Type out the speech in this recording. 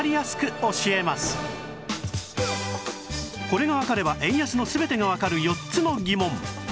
これがわかれば円安の全てがわかる４つの疑問